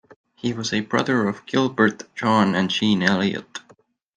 He was a brother of Gilbert, John, and Jean Elliot.